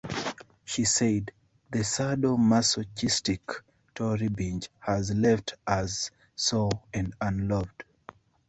She said: The sado masochistic Tory binge has left us sore and unloved.